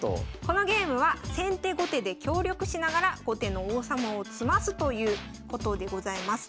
このゲームは先手後手で協力しながら後手の王様を詰ますということでございます。